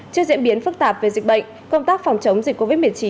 trước diễn biến phức tạp về dịch bệnh công tác phòng chống dịch covid một mươi chín